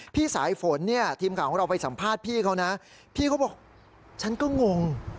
สายฝนเนี่ยทีมข่าวของเราไปสัมภาษณ์พี่เขานะพี่เขาบอกฉันก็งง